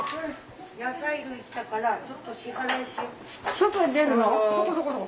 外に出るの？